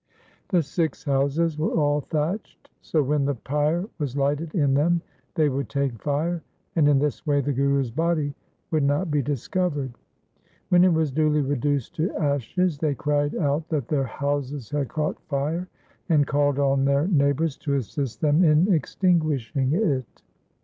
The Sikhs' houses were all thatched, so when the pyre was lighted in them, they would take fire, and in this way the Guru's body would not be discovered. When it was duly reduced to ashes, they cried out that their houses had caught fire, and called on their LIFE OF GURU TEG BAHADUR 389 neighbours to assist them in extinguishing it.